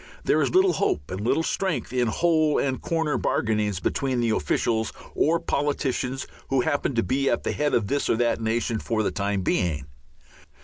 There is little hope and little strength in hole and corner bargainings between the officials or politicians who happen to be at the head of this or that nation for the time being.